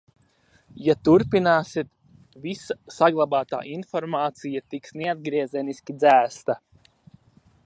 Ja turpināsit, visa saglabātā informācija tiks neatgriezeniski dzēsta.